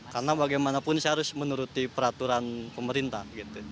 karena bagaimanapun saya harus menuruti peraturan pemerintah